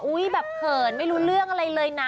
แบบเขินไม่รู้เรื่องอะไรเลยนะ